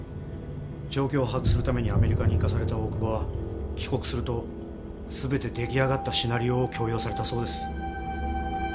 状況を把握するためにアメリカに行かされた大久保は帰国すると全て出来上がったシナリオを強要されたそうです。